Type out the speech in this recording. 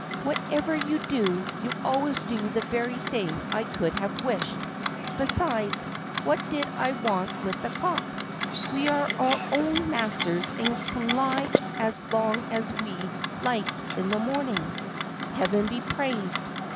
"Whatever you do, you always do the very thing I could have wished. Besides, what did we want with the cock? We are our own masters and can lie as long as we like in the mornings. Heaven be praised!